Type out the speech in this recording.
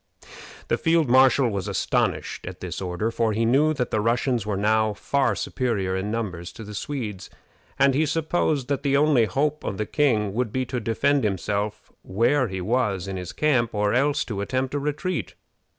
The field marshal was astonished at this order, for he knew that the Russians were now far superior in numbers to the Swedes, and he supposed that the only hope of the king would be to defend himself where he was in his camp, or else to attempt a retreat.